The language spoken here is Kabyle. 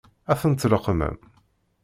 Ad ten-tleqqmem?